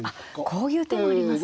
こういう手もありますか。